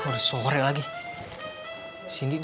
kamu benar benar tidak mencintaiku